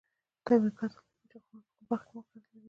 د امریکا د لویې وچې غرونه په کومه برخه کې موقعیت لري؟